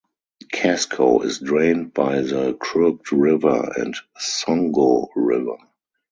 Casco is drained by the Crooked River and Songo River.